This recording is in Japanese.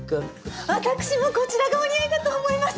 私もこちらがお似合いかと思います。